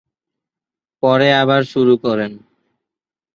পরে আবার শুরু করেন।